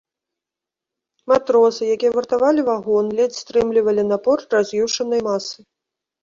Матросы, якія вартавалі вагон, ледзь стрымлівалі напор раз'юшанай масы.